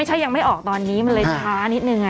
ถ้ายังไม่ออกตอนนี้มันเลยช้านิดนึง